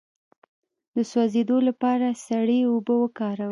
د سوځیدو لپاره سړې اوبه وکاروئ